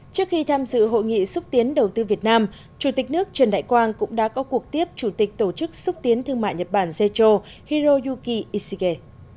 trước khi tham dự hội nghị xúc tiến đầu tư việt nam chủ tịch nước trần đại quang cũng đã có cuộc tiếp chủ tịch tổ chức xúc tiến thương mại nhật bản zecho hiroyuki ishige